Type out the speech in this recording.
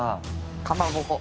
かまぼこ。